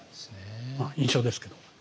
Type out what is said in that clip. まあ印象ですけど。